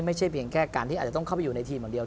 ไม่ใช่เพียงแค่การที่อาจจะต้องเข้าไปอยู่ในทีมอย่างเดียว